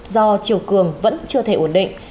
do triều cường vẫn chưa thể ổn định